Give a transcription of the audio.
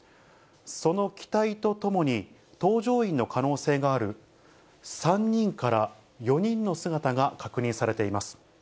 その機体とともに、搭乗員の可能性がある３人から４人の姿が確認されています。